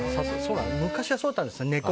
昔はそうだったんですよね。